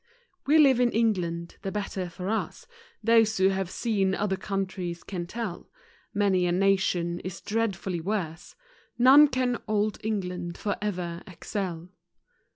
We live in England, the better for us, Those who have seen other countries can tell; Many a nation is dreadfully worse; None can u Old England for ever" excel.